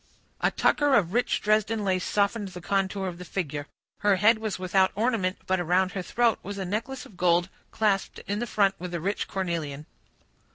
A tucker of rich Dresden lace softened the contour of the figure. Her head was without ornament; but around her throat was a necklace of gold clasped in front with a rich cornelian.